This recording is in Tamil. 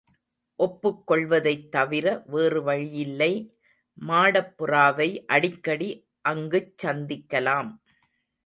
ஒப்புக் கொள்வதைத் தவிர வேறு வழியில்லை மாடப்புறாவை அடிக்கடி அங்குச் சந்திக்கலாம்.